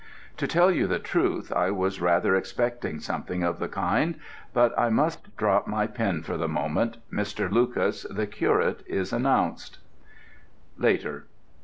To tell you the truth, I was rather expecting something of the kind. But I must drop my pen for the moment: Mr. Lucas, the curate, is announced. _Later.